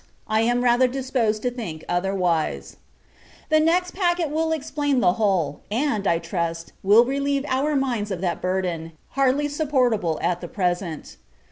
I am rather disposed to think otherwise. The next packet will explain the whole; and, I trust, will relieve our minds of that burden, hardly supportable at present.